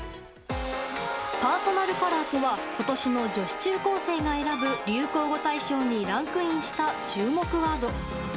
パーソナルカラーとは今年の女子中高生が選ぶ流行語大賞にランクインした注目ワード。